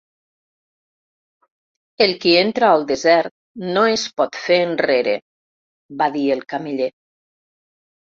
"El qui entra al desert no es pot fer enrere", va dir el cameller.